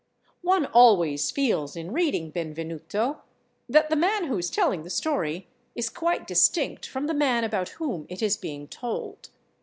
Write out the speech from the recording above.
One always feels, in reading Benvenuto, that the man who is telling the story is quite distinct from the man about whom it is being told.